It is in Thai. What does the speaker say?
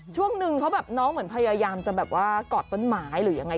ช่วงนึงเขาแบบน้องเหมือนพยายามจะแบบว่ากอดต้นไม้หรือยังไง